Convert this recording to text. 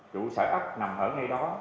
chủ xã ốc nằm ở ngay đó